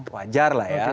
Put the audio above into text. wajar lah ya